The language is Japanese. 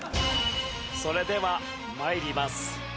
それでは参ります。